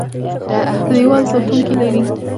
دیوال ساتونکي لري.